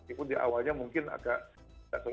itu di awalnya mungkin agak sulit